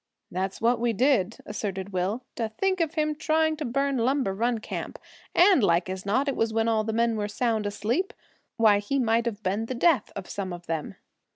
"That's what we did," asserted Will. "To think of him trying to burn Lumber Run Camp; and as like as not it was when all the men were sound asleep! Why, he might have been the death of some of them!"